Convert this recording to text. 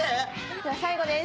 では最後です。